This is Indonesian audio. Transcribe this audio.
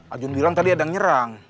ajun bilang tadi ada yang nyerang